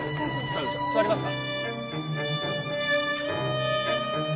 座りますか？